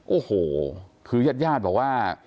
โอ้โหคือญาติญาติบอกว่า